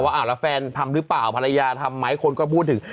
อ่าแล้วแฟนทำหรือเปล่าภรรยาทำไหมคนก็พูดถึง